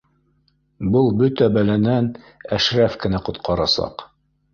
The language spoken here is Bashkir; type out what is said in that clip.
Был бөтә бәләнән Әшрәф кенә ҡотҡарасаҡ